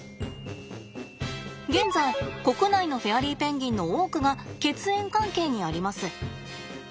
現在国内のフェアリーペンギンの多くが血縁関係にあります。